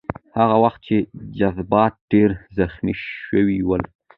هغه وخت یې جذبات ډېر زخمي شوي ول.